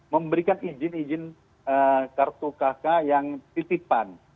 memberikan izin izin kartu kk yang titipan